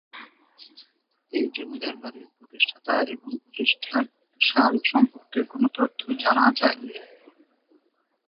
এই জমিদার বাড়ির প্রতিষ্ঠাতা এবং প্রতিষ্ঠার সাল সম্পর্কে কোনো তথ্য জানা যায়নি।